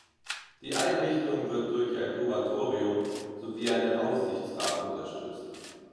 Die Einrichtung wird durch ein Kuratorium sowie einen Aufsichtsrat unterstützt.